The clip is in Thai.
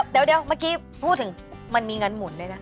เดี๋ยวเมื่อกี้พูดถึงมันมีเงินหมุนเลยนะ